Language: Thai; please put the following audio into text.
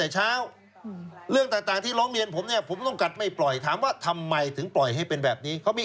ช่วยได้ไหมครับ